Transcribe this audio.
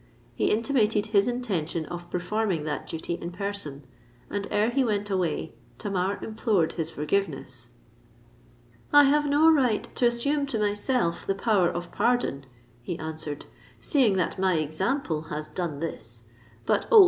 He intimated his intention of performing that duty in person; and ere he went away, Tamar implored his forgiveness. "I have no right to assume to myself the power of pardon," he answered; "seeing that my example has done this. But, oh!